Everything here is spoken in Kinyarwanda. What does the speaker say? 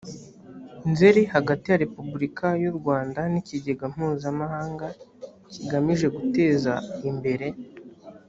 nzeri hagati ya repubulika y u rwanda n ikigega mpuzamahanga kigamije guteza imbere